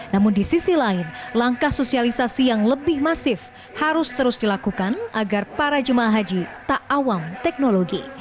namun di sisi lain langkah sosialisasi yang lebih masif harus terus dilakukan agar para jemaah haji tak awam teknologi